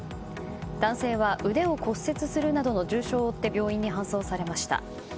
男性は腕を骨折するなどの重傷を負って病院に搬送されました。